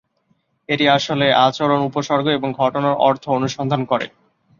এটি আসলে আচরণ, উপসর্গ এবং ঘটনার অর্থ অনুসন্ধান করে।